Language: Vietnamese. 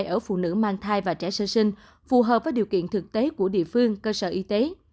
ở phụ nữ mang thai và trẻ sơ sinh phù hợp với điều kiện thực tế của địa phương cơ sở y tế